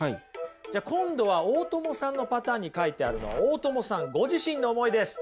じゃあ今度は大友さんのパターンに書いてあるのは大友さんご自身の思いです。